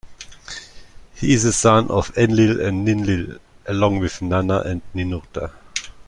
He is a son of Enlil and Ninlil, along with Nanna and Ninurta.